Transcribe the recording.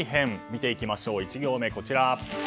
見ていきましょう１行目、こちら。